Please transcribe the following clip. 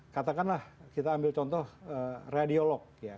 katakanlah kita ambil contoh radiolog ya